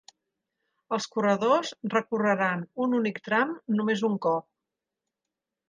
Els corredors recorreran un únic tram només un cop.